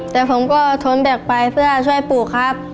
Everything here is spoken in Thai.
แต่ผมก็ทนแบกไปเพื่อช่วยปู่ครับ